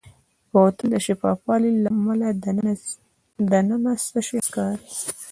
بوتل د شفاف والي له امله دننه څه شی ښکاري.